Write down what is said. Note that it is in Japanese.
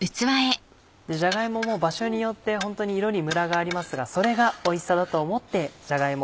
じゃが芋も場所によってホントに色にムラがありますがそれがおいしさだと思ってじゃが芋